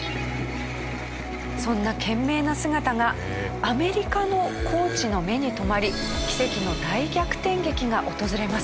そんな懸命な姿がアメリカのコーチの目に留まり奇跡の大逆転劇が訪れます。